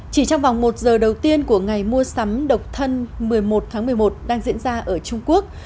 chỉ trong vòng một giờ đầu tiên của ngày mua sắm độc thân một mươi một tháng một mươi một đang diễn ra ở trung quốc